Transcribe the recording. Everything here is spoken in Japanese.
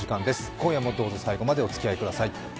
今夜もどうぞ最後までおつきあいください。